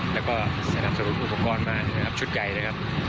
แล้วก็สนับสนุนอุปกรณ์มาชุดใหญ่นะครับ